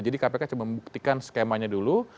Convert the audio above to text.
jadi kpk coba membuktikan skemanya dulu